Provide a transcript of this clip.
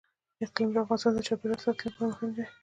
اقلیم د افغانستان د چاپیریال ساتنې لپاره مهم دي.